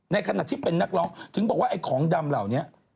ขณะที่เป็นนักร้องถึงบอกว่าไอ้ของดำเหล่านี้